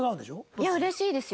いや嬉しいですよ。